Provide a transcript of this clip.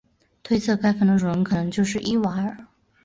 推测该坟的主人可能就是伊瓦尔。